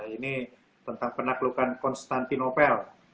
ini tentang penaklukan konstantinopel